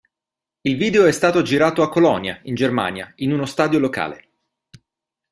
Il video è stato girato a Colonia in Germania in uno stadio locale.